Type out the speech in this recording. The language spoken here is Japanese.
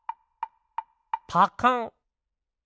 パカン！